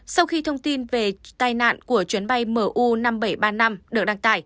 sau khi thông tin về tai nạn của chuyến bay mu năm nghìn bảy trăm ba mươi năm